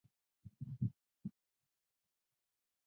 这两种观点的争议延续至今。